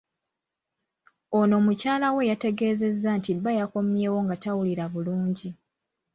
Ono mukyala we yategeezezza nti bba yakommyewo nga tawulira bulungi.